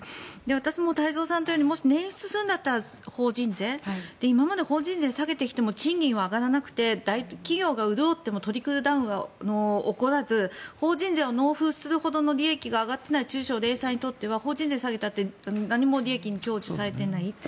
私も太蔵さんと同じように捻出するなら法人税今まで法人税下げてきても賃金は上がらなくて大企業が潤ってもトリクルダウンは起こらず法人税を納付するほどの利益が上がっていない中小、零細にとっては法人税を下げたって何も利益になっていない。